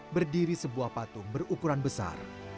berdiri sebuah patung berukuran besar